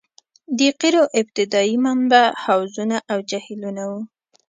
د قیرو ابتدايي منبع حوضونه او جهیلونه وو